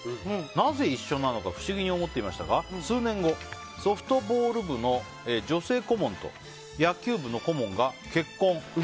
なぜ一緒なのか不思議に思っていましたが数年後、ソフトボール部の女性顧問と野球部の顧問が結婚。